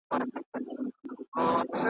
جهاني به کله یاد سي په نغمو کي په غزلو .